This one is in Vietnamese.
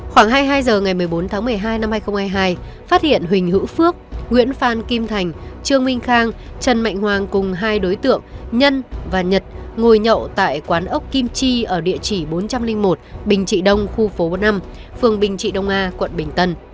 khoảng hai mươi hai h ngày một mươi bốn tháng một mươi hai năm hai nghìn hai mươi hai phát hiện huỳnh hữu phước nguyễn phan kim thành trương minh khang trần mạnh hoàng cùng hai đối tượng nhân và nhật ngồi nhậu tại quán ốc kim chi ở địa chỉ bốn trăm linh một bình trị đông khu phố bốn năm phường bình trị đông a quận bình tân